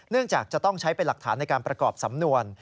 จากจะต้องใช้เป็นหลักฐานในการประกอบสำนวน